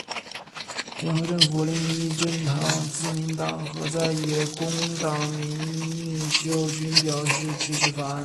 联合政府另一政党自民党和在野工党领袖均表示支持法案。